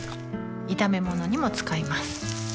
炒め物にも使います